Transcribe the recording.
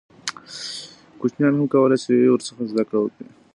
کوچنیان هم کولای سي ورڅخه زده کړه وکړي.